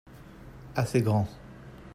assez grand.